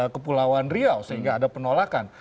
kepulauan riau sehingga ada penolakan